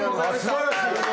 すばらしい！